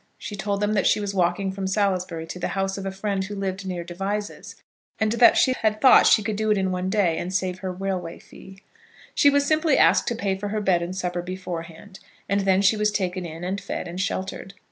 She told them that she was walking from Salisbury to the house of a friend who lived near Devizes, and that she had thought she could do it in one day and save her railway fare. She was simply asked to pay for her bed and supper beforehand, and then she was taken in and fed and sheltered.